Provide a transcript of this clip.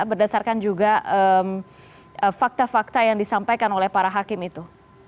berdasarkan juga fakta fakta yang disampaikan oleh para hakim itu